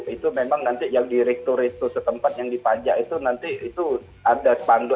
itu memang nanti yang di resto resto setempat yang dipajak itu nanti itu ada spanduk